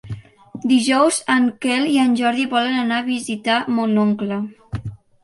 Dijous en Quel i en Jordi volen anar a visitar mon oncle.